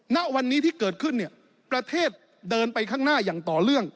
ณวันนี้ที่เกิดขึ้นเนี่ยประเทศเดินไปข้างหน้าอย่างต่อเนื่อง